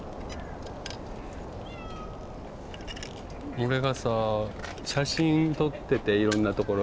俺がさ写真撮ってていろんなところで。